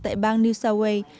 tại bang new south wales